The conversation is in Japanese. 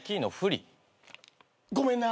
ごめんな。